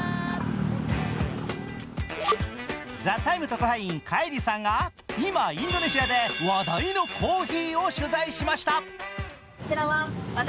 特派員、カイリさんが今、インドネシアで話題のコーヒーを取材しました。